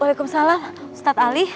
waalaikumsalam ustadz ali